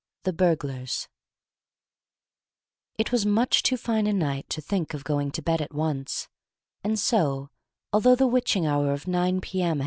THE BURGLARS It was much too fine a night to think of going to bed at once, and so, although the witching hour of nine P.M.